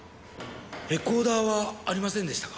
レコーダーはありませんでしたか？